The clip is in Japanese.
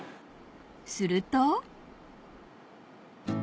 ［すると］